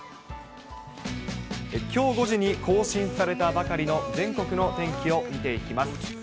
きょう５時に更新されたばかりの全国の天気を見ていきます。